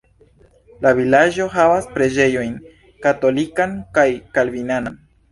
La vilaĝo havas preĝejojn katolikan kaj kalvinanan.